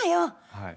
はい。